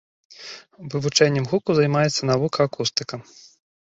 Вывучэннем гуку займаецца навука акустыка.